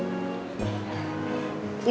sekalian aku juga mau liat tempat tinggalnya bening